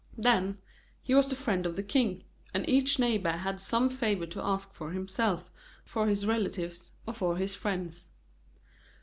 Then, he was the friend of the King, and each neighbor had some favor to ask for himself, for his relatives, or for his friends.